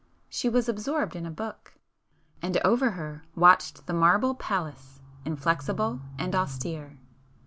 She was absorbed in a book,—and over her watched the marble Pallas inflexible and austere.